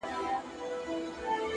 اخلاص د باور ستنې نه پرېږدي.!